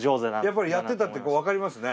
やっぱりやってたってこうわかりますね。